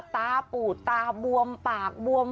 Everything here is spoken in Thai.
ตาปูดตาบวมปากบวม